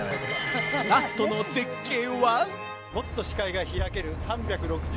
ラストの絶景は。